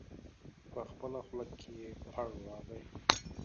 په خپله خوله کې پړ راغی.